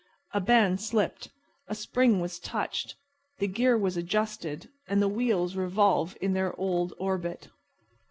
A band slipped, a spring was touched, the gear was adjusted and the wheels revolve in their old orbit.